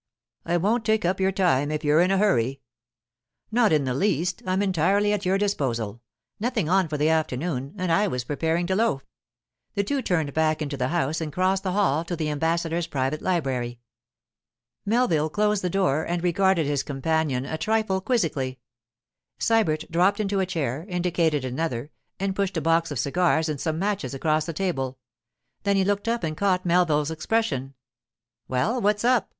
I won't take up your time if you are in a hurry.' 'Not in the least. I'm entirely at your disposal. Nothing on for the afternoon, and I was preparing to loaf.' The two turned back into the house and crossed the hall to the ambassador's private library. Melville closed the door and regarded his companion a trifle quizzically. Sybert dropped into a chair, indicated another, and pushed a box of cigars and some matches across the table; then he looked up and caught Melville's expression. 'Well, what's up?